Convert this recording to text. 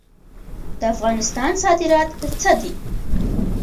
د افغانستان صادرات څه دي؟